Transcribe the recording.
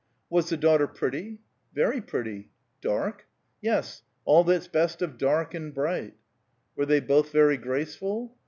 "Was the daughter pretty?" "Very pretty." "Dark?" "Yes, 'all that's best of dark and bright.'" "Were they both very graceful?"